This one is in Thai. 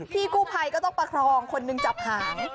พี่กู้ภัยก็ต้องประคองคนหนึ่งจับหาง